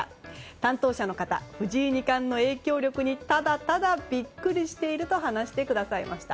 担当者の方藤井二冠の影響力にただただビックリしていると話してくださいました。